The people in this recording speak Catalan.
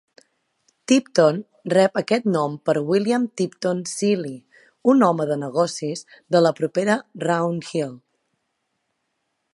Tipton rep aquest nom per William Tipton Seely, un home de negocis de la propera Round Hill.